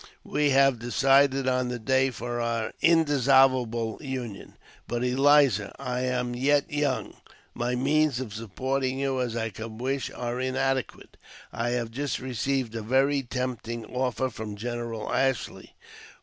We have decided on the day for our indissoluble union. But, Eliza, I am yet young ; my means of supporting you as I could wish are inadequate. I have just received a very tempting offer from General Ashley.'